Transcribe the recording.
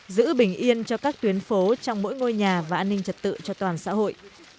giữ bình yên cho các tuyến phố trong mỗi ngôi nhà và an ninh trật tự cho toàn xã hội